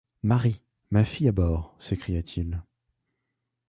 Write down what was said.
Marie! ma fille à bord ! s’écria-t-il.